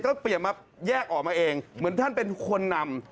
ต้องเปลี่ยนมาแยกออกมาเองเหมือนท่านเป็นคนนำ